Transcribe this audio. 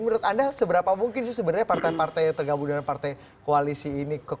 menurut anda seberapa mungkin sih sebenarnya partai partai yang tergabung dengan partai koalisi ini